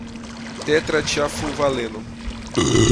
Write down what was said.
tetratiafulvaleno